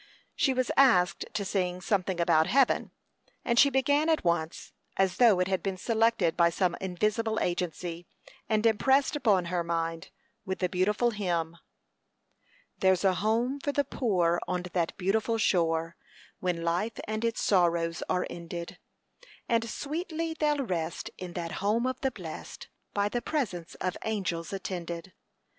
She was asked to sing "something about heaven;" and she began at once, as though it had been selected by some invisible agency and impressed upon her mind, with the beautiful hymn: "There's a home for the poor on that beautiful shore When life and its sorrows are ended; And sweetly they'll rest in that home of the blest, By the presence of angels attended.